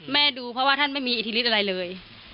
ดูเพราะว่าท่านไม่มีอิทธิฤทธิอะไรเลย